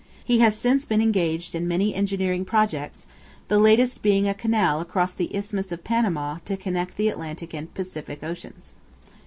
He has since been engaged in many engineering projects, the latest being a canal across the Isthmus of Panama to connect the Atlantic and Pacific oceans.